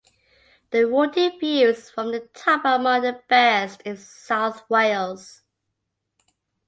The rewarding views from the top are among the best in South Wales.